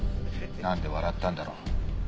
なんで笑ったんだろう。